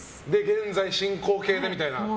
現在進行形で、みたいな。